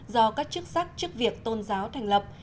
do các chức sắc chức việc tôn giáo thành lập